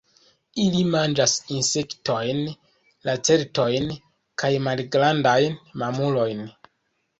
Ili manĝas insektojn, lacertojn kaj malgrandajn mamulojn.